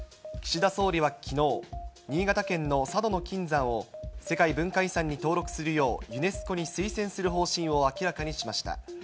岸田総理はきのう、新潟県の佐渡島の金山を世界文化遺産に登録するようユネスコに推薦する方針を明らかにしました。